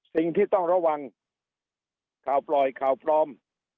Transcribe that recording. สิ่งที่ต้องระวังข่าวปล่อยข่าวปลอม